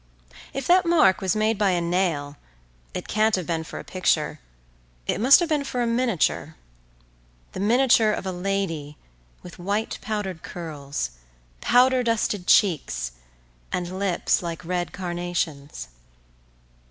… If that mark was made by a nail, it can't have been for a picture, it must have been for a miniature—the miniature of a lady with white powdered curls, powder dusted cheeks, and lips like red carnations.